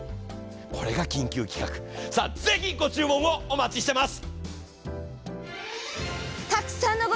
これが緊急企画、ぜひご注文お待ちしております。